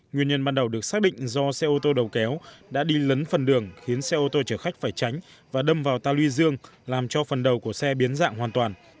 nguyên nhân ban đầu được xác định do xe ô tô đầu kéo đã đi lấn phần đường khiến xe ô tô chở khách phải tránh và đâm vào ta luy dương làm cho phần đầu của xe biến dạng hoàn toàn